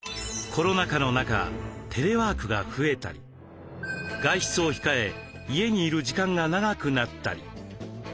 コロナ禍の中テレワークが増えたり外出を控え家にいる時間が長くなったり。